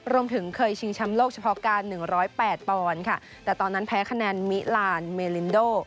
รวมถึงเคยชิงแชมป์โลกเฉพาะการ๑๐๘ปอนด์ค่ะแต่ตอนนั้นแพ้คะแนนมิลานเมลินโด